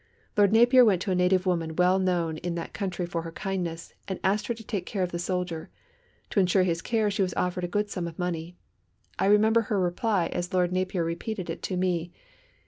Lord Napier went to a native woman well known in that country for her kindness, and asked her to take care of the soldier. To ensure his care she was offered a good sum of money. I remember her reply as Lord Napier repeated it to me.